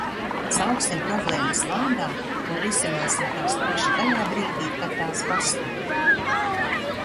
Sauksim problēmas vārdā un risināsim tās tieši tajā brīdī, kad tās pastāv.